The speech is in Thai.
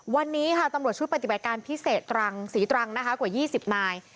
วันนี้ค่ะตำรวจชุดปฏิบัติการพิเศษตรังศรีตรังนะคะกว่า๒๐นาย